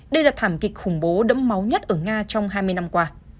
đây là thảm kịch khủng bố đẫm máu nhất ở nga trong hai mươi năm qua